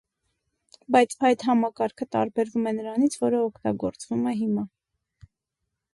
Բայց այդ համակարգը տարբերվում է նրանից, որը օգտագործվում է հիմա։